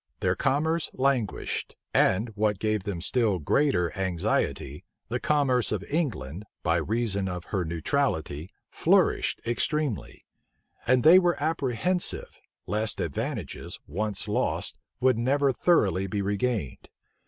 Their commerce languished; and, what gave them still greater anxiety, the commerce of England, by reason of her neutrality, flourished extremely; and they were apprehensive, lest advantages, once lost, would never thoroughly be regained.